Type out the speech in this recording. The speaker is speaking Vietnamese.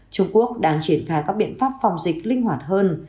trung quốc đang triển khai các biện pháp phòng dịch linh hoạt hơn